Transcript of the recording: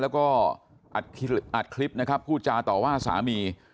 แล้วก็อัดคลิปนะครับพูดจาต่อว่าสามี